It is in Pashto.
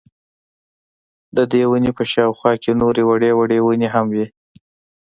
ددې وني په شاوخوا کي نوري وړې وړې وني هم وې